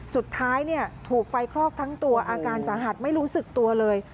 สุดท้ายถูกไฟคลอกทั้งตัวอาการสาหัสไม่รู้สึกตัวเลย